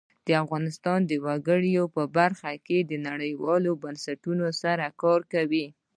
افغانستان د وګړي په برخه کې نړیوالو بنسټونو سره کار کوي.